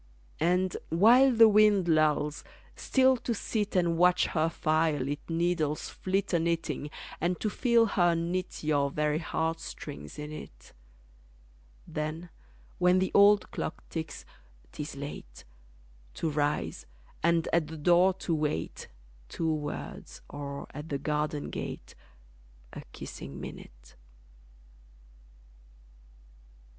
And, while the wind lulls, still to sit And watch her fire lit needles flit A knitting, and to feel her knit Your very heartstrings in it: Then, when the old clock ticks 'tis late, To rise, and at the door to wait, Two words, or at the garden gate, A kissing minute.